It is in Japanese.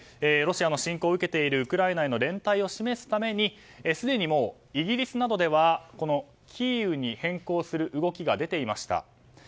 ロシアの侵攻を受けているウクライナへの連帯を示すためにすでにイギリスなどではキーウに変更する動きが出ていました。